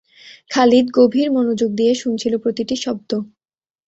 খালিদ গভীর মনোযোগ দিয়ে শুনছিল প্রতিটি শব্দ।